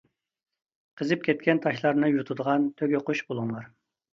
قىزىپ كەتكەن تاشلارنى يۇتىدىغان تۆگە قۇش بولۇڭلار.